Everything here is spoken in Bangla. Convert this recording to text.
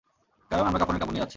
কারণ আমরা কাফনের কাপড় নিয়ে যাচ্ছি।